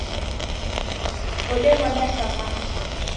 Wodewada samaki.